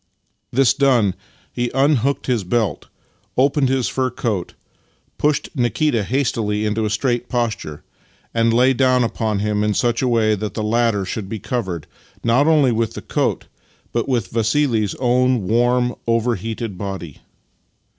This done, he unhooked his 58 Master and Maa belt, opened his fur coat, pushed Nikita hastily into a straight posture, and lay down upon him in such a way that the latter should be covered, not only with the coat, but with Vassili's own warm, overheated body.